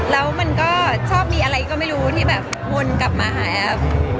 แล้วมันก็ชอบมีอะไรก็ไม่รู้ที่แบบวนกลับมาหาแอฟ